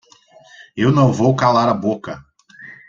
Eu não vou calar a boca!